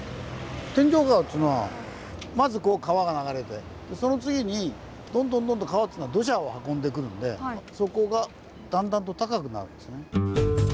天井川っつうのはまずこう川が流れてその次にどんどん川っつうのは土砂を運んでくるので底がだんだんと高くなるんですね。